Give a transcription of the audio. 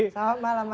selamat malam mas